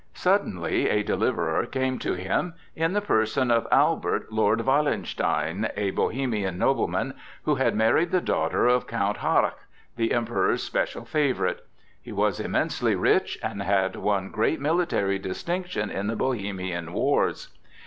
Suddenly a deliverer came to him in the person of Albert, Lord Wallenstein, a Bohemian nobleman, who had married the daughter of Count Harrach, the Emperor's special favorite. He was immensely rich, and had won great military distinction in the Bohemian wars.